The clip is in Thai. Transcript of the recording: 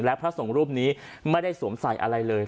และพระสงฆ์รูปนี้ไม่ได้สวมใส่อะไรเลย